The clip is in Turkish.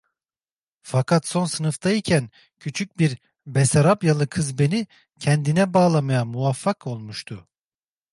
Fakat son sınıfta iken küçük bir Besarabyalı kız beni kendine bağlamaya muvaffak olmuştu.